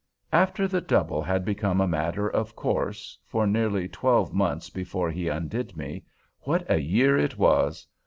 After the double had become a matter of course, for nearly twelve months before he undid me, what a year it was!